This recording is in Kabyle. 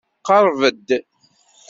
Qṛeb-d!